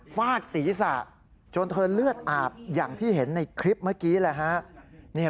ฟาดศีรษะจนเธอเลือดอาบอย่างที่เห็นในคลิปเมื่อกี้แหละฮะ